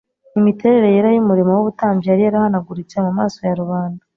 imiterere yera y’umurimo w’ubutambyi yari yarahanaguritse mu maso ya rubanda